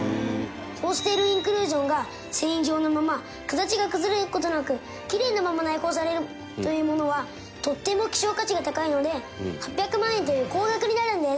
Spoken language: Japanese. ホーステールインクルージョンが繊維状のまま形が崩れる事なくキレイなまま内包されるというものはとっても希少価値が高いので８００万円という高額になるんです。